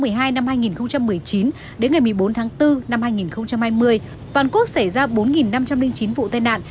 từ ngày một mươi năm tháng một mươi hai năm hai nghìn một mươi chín đến ngày một mươi bốn tháng bốn năm hai nghìn hai mươi toàn quốc xảy ra bốn năm trăm linh chín vụ tai nạn